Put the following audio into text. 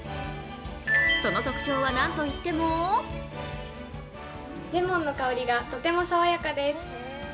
その特徴は、なんといってもレモンの香りがとても爽やかです。